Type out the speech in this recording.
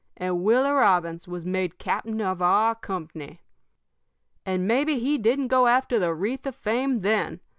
And Willie Robbins was made captain of our company. "And maybe he didn't go after the wreath of fame then!